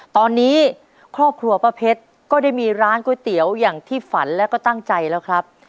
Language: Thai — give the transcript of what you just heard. ตอนนี้ครอบครัวป้าเพชรก็ได้มีร้านก๋วยเตี๋ยวอย่างที่ฝันแล้วก็ตั้งใจแล้วครับ